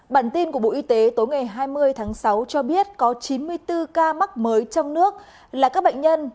bản tin của bộ y tế tối ngày hai mươi tháng sáu cho biết có chín mươi bốn ca mắc mới trong nước là các bệnh nhân